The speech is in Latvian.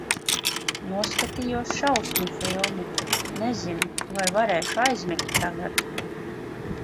Noskatījos šausmu filmu. Nezinu, vai varēšu aizmigt tagad.